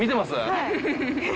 はい。